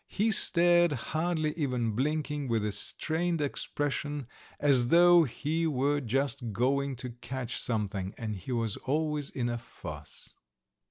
He stared, hardly even blinking, with a strained expression, as though he were just going to catch something, and he was always in a fuss.